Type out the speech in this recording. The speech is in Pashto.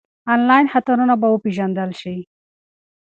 انلاین خطرونه به وپېژندل شي.